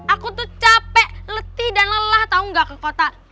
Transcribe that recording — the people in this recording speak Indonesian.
aku tuh capek letih dan lelah tahu nggak ke kota